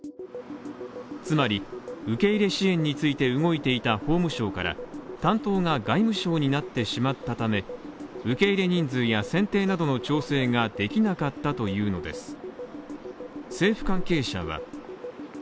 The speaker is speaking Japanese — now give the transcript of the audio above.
つまり、受け入れ支援に動いていた法務省から担当が外務省になってしまったため受け入れ人数や選定などの調整ができなかったというのです。